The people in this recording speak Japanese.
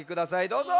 どうぞ。